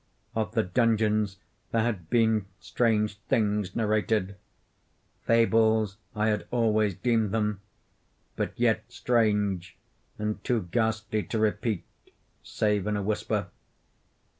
Of the dungeons there had been strange things narrated—fables I had always deemed them—but yet strange, and too ghastly to repeat, save in a whisper.